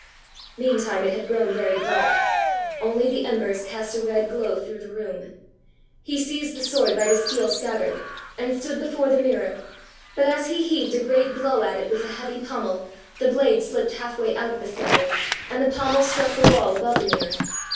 Meantime it had grown very dark; only the embers cast a red glow through the room. He seized the sword by the steel scabbard, and stood before the mirror; but as he heaved a great blow at it with the heavy pommel, the blade slipped half way out of the scabbard, and the pommel struck the wall above the mirror.